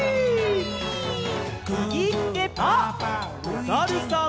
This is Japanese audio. おさるさん。